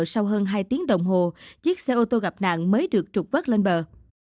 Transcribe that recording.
sau hơn hai tiếng đồng hồ chiếc xe ô tô gặp nạn mới được trục vớt lên bờ